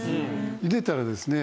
ゆでたらですね